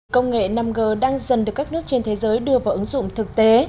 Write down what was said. công nghệ năm g đang dần được các nước trên thế giới đưa vào ứng dụng thực tế